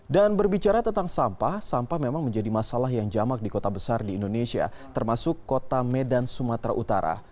dan berbicara tentang sampah sampah memang menjadi masalah yang jamak di kota besar di indonesia termasuk kota medan sumatera utara